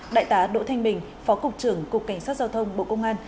đại tá đỗ thanh bình phó cục trưởng cục cảnh sát giao thông bộ công an